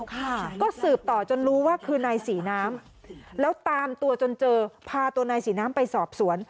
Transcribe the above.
ค่ะก็สืบต่อจนรู้ว่าคือนายศรีน้ำแล้วตามตัวจนเจอพาตัวนายศรีน้ำไปสอบสวน